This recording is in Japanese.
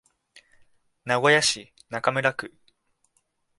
名古屋市中村区